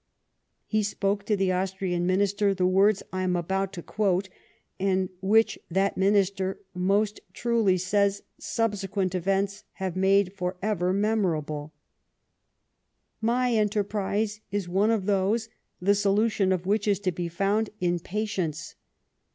He spoke to the Austrian Minister the words I am about to quote, and which, that Minister most truly says, subse quent events have made for ever memorable :" jMy enterprise is one of those the solution of wliich is to be found in patience.